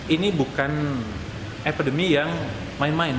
ini bukan epidemi yang main main